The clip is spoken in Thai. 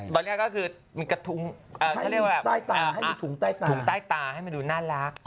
เป็นกระทุงเอ้าคือเรียกว่าเอ้าถุงใต้ตาให้มันดูน่ารัก